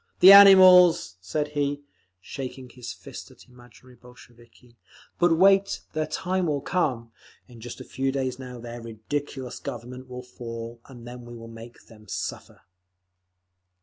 "The animals!" said he, shaking his first at imaginary Bolsheviki. "But wait! Their time will come; in just a few days now their ridiculous Government will fall, and then we shall make them suffer!"